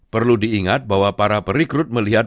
perlu diingat bahwa para perikrut melihat